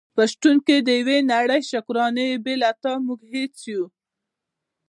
په شتون د يوه نړی شکرانې بې له تا موږ هيڅ يو ❤️